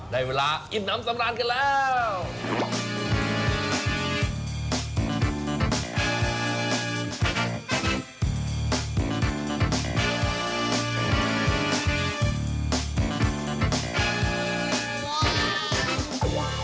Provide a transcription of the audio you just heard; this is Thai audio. ได้เวลาอิ่มน้ำสำราญกันแล้ว